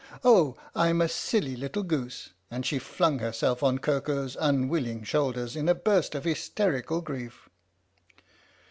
Oh, I'm a silly little goose! " And she flung herself on Koko's unwilling shoulders in a burst of hysterical grief.